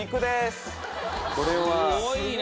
これは。